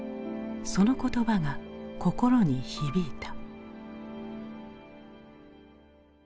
その言葉が心に響いた。